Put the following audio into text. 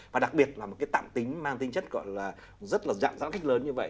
và đặc biệt là một cái tạm tính mang tinh chất gọi là rất là dạng dãn cách lớn như vậy